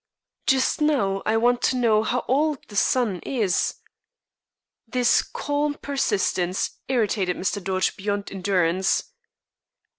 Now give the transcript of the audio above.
"Just now I want to know how old the 'son' is?" This calm persistence irritated Mr. Dodge beyond endurance.